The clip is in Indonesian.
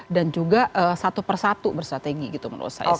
dan juga satu per satu bersrategi gitu menurut saya sih